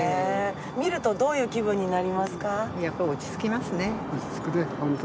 見るとどういう気分になりますか？